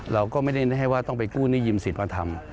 เราก็ไม่ได้ให้ว่าต้องไปกู้หนี้ยืมสิทธิ์มาทำ